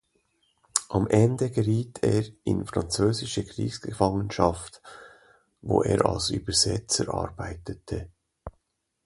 Am Ende geriet er in französische Kriegsgefangenschaft, wo er als Übersetzer arbeitete.